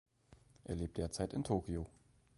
Er lebt derzeit in Tokio.